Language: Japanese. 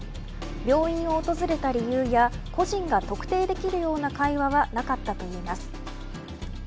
病院を訪れた理由や個人が特定できるような会話はなかったといいます。